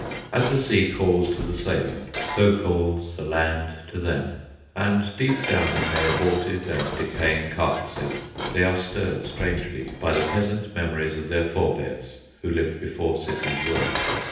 As the sea calls to the sailor, so calls the land to them; and, deep down in their aborted and decaying carcasses, they are stirred strangely by the peasant memories of their forbears who lived before cities were.